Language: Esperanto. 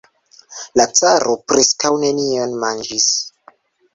La caro preskaŭ nenion manĝis.